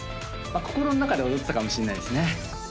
まあ心の中で踊ってたかもしんないですね